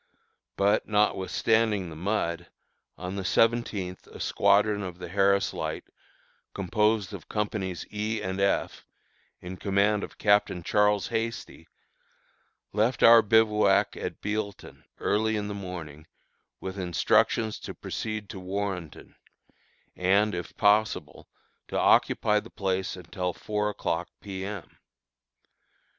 But, notwithstanding the mud, on the seventeenth a squadron of the Harris Light, composed of Companies E and F, in command of Captain Charles Hasty, left our bivouac at Bealeton, early in the morning, with instructions to proceed to Warrenton, and, if possible, to occupy the place until four o'clock P. M.